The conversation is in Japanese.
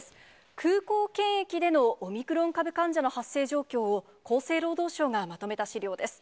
空港検疫でのオミクロン株患者の発生状況を、厚生労働省がまとめた資料です。